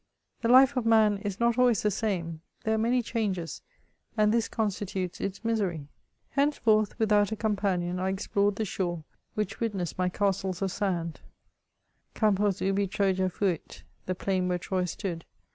The life of man is not always the same ; there are many changes, and this consti tutes its misery. Henceforth without a companion, I explored the shore, which witnessed my castles of sand ; Campos ubi Troja fuit (the plain where Troy stood).